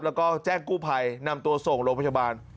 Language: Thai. แล้วก็แจ้งกู้ภัยนำตัวส่งโรงพยาบาล